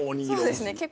そうですね